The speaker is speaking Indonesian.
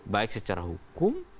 baik secara hukum